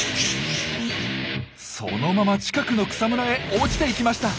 そのまま近くの草むらへ落ちていきました。